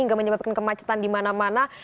hingga menyebabkan kemacetan di mana mana